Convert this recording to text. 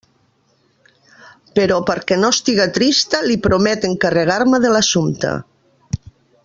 Però perquè no estiga trista, li promet encarregar-me de l'assumpte.